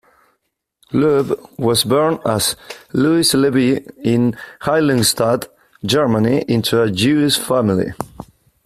Loewe was born as Louis Levy in Heiligenstadt, Germany into a Jewish family.